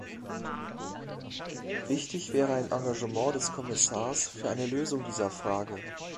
Wichtig wäre ein Engagement des Kommissars für eine Lösung dieser Frage.